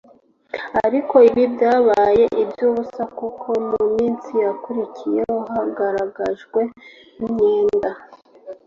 Ariko ibi byabaye iby’ubusa kuko mu minsi yakurikiyeho hagaragajwe imyenda